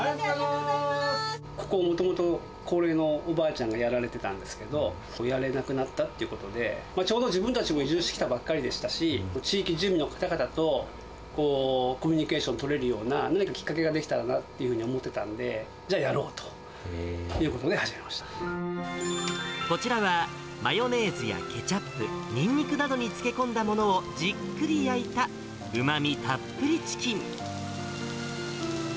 ここ、もともと高齢のおばあちゃんがやられてたんですけど、やれなくなったということで、ちょうど自分たちも移住してきたばっかりでしたし、地域住民の方々と、コミュニケーション取れるような、何かきっかけができたらなっていうふうに思ってたんで、じゃあやこちらは、マヨネーズやケチャップ、ニンニクなどに漬け込んだものをじっくり焼いた、うまみたっぷりチキン。